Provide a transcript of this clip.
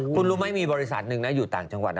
คุณรู้ไหมมีบริษัทหนึ่งนะอยู่ต่างจังหวัดนะ